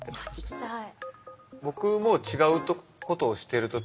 聞きたい。